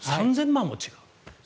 ３０００万も違う。